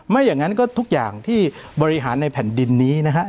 อย่างนั้นก็ทุกอย่างที่บริหารในแผ่นดินนี้นะครับ